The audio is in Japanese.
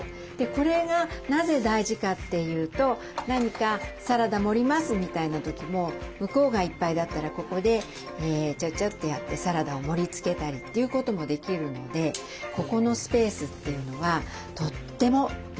これがなぜ大事かっていうと何か「サラダ盛ります」みたいな時も向こうがいっぱいだったらここでちゃちゃっとやってサラダを盛りつけたりということもできるのでここのスペースというのはとっても便利です。